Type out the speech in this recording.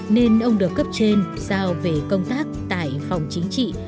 nên ông được cấp trên giao về công tác tại phòng chính trị